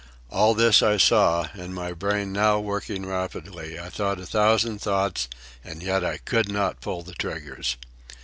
All this I saw, and my brain now working rapidly, I thought a thousand thoughts; and yet I could not pull the triggers.